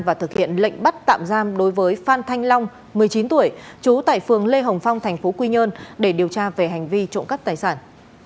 và thực hiện lệnh bắt tạm giam đối với phan thanh long một mươi chín tuổi trú tại phường lê hồng phong tp quy nhơn để điều tra về hành vi trộm cắp tài sản